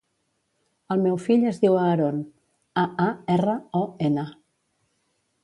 El meu fill es diu Aaron: a, a, erra, o, ena.